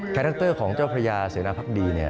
คาแรกเตอร์ของเจ้าพระยาเสนาภักดี